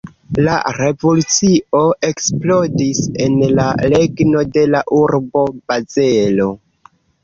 La revolucio eksplodis en la regno de la urbo Bazelo.